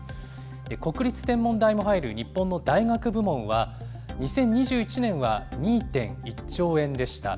国立天文台も入る日本の大学部門は、２０２１年は２．１兆円でした。